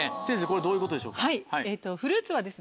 これどういうことでしょうか？